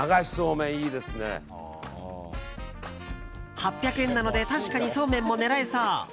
８００円なので確かにそうめんも狙えそう。